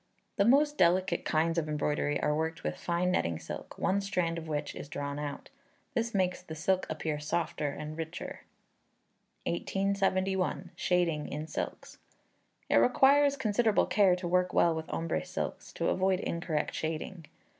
The most delicate kinds of embroidery are worked with fine netting silk, one strand of which is drawn out. This makes the silk appear softer and richer. 1871. Shading in Silks. It requires considerable care to work well with ombre silks, to avoid incorrect shading.